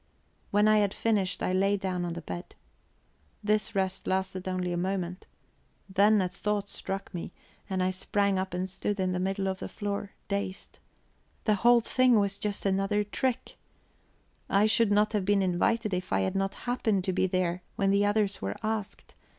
When I had finished, I lay down on the bed. This rest lasted only a moment. Then a thought struck me, and I sprang up and stood in the middle of the floor, dazed. The whole thing was just another trick! I should not have been invited if I had not happened to be there when the others were asked.